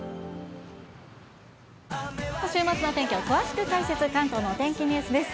週末の天気を詳しく解説、関東のお天気ニュースです。